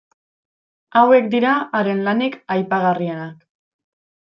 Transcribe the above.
Hauek dira haren lanik aipagarrienak.